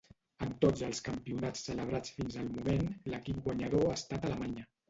En tots els campionats celebrats fins al moment l'equip guanyador ha estat Alemanya.